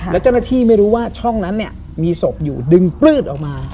แล้วเจ้าหน้าที่ไม่รู้ว่าช่องนั้นเนี่ยมีศพอยู่ดึงปลืดออกมา